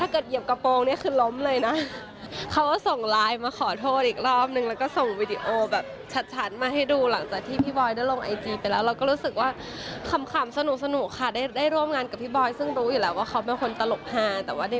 เขาดูแล้วเขายังแบบก้มมามองเลยว่าทำไมมิ้นท์ถึงเดินไม่ได้